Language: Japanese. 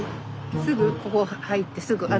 すぐここ入ってすぐ。